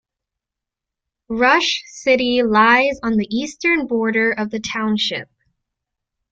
Rush City lies on the eastern border of the township.